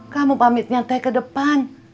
kamu pamit nyantai ke depan